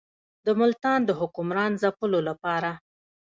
د ملتان د حکمران ځپلو لپاره.